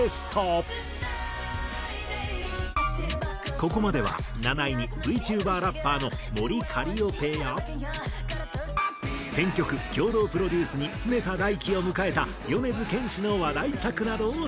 ここまでは７位にＶＴｕｂｅｒラッパーのＭｏｒｉＣａｌｌｉｏｐｅや編曲・共同プロデュースに常田大希を迎えた米津玄師の話題作などを選曲。